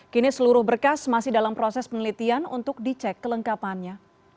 kini seluruh berkas masih dalam proses penelitian untuk dicek kelengkapannya